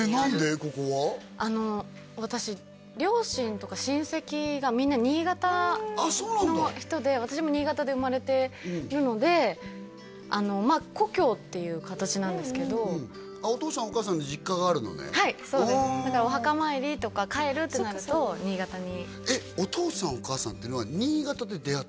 ここは私両親とか親戚がみんな新潟の人で私も新潟で生まれてるのでまあ故郷っていう形なんですけどお父さんお母さんの実家があるのねはいそうですだからお墓参りとか帰るってなると新潟にお父さんお母さんっていうのは新潟で出会ってるの？